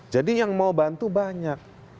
jadi yang mau bantu banyak